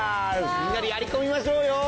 みんなでやりこみましょうよ。